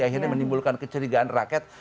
akhirnya menimbulkan kecerigaan rakyat